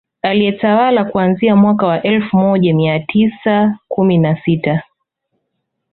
Aliyetawala kuanzia mwaka wa elfu moja mia tisa kumi na sita